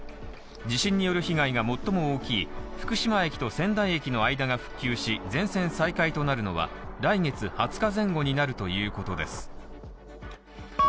地震による被害が最も大きい福島駅と仙台駅の間が復旧し全線再開となるのは来月２０日前後になるということです。